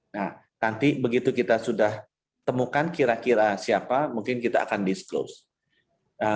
nah nanti begitu kita sudah temukan kira kira siapa mungkin kita akan disclose